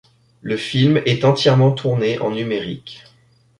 Le film est entièrement tourné en numérique.